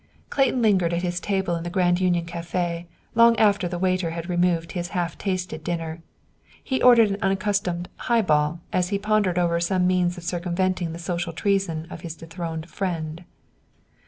Clayton lingered at his table in the Grand Union café long after the waiter had removed his half tasted dinner. He ordered an unaccustomed "highball" as he pondered over some means of circumventing the social treason of his dethroned "friend."